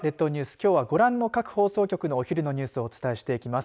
きょうはご覧の各放送局のお昼のニュースをお伝えしていきます。